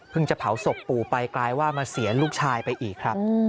จะเผาศพปู่ไปกลายว่ามาเสียลูกชายไปอีกครับ